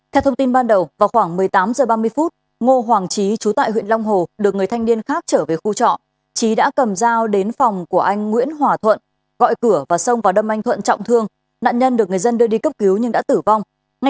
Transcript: theo thông tin ban đầu vào khoảng một mươi tám h ba mươi ngô hoàng trí trú tại huyện long hồ được người thanh niên khác trở về khu trọ trí đã cầm dao đến phòng của anh nguyễn hòa thuận gọi cửa và xông vào đâm anh thuận trọng thương nạn nhân được người dân đưa đi cấp cứu nhưng đã tử vong